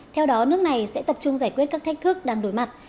theo đó nước này sẽ tập trung giải quyết các thách thức đang đổi mặt